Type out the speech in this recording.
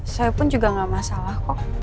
saya pun juga gak masalah kok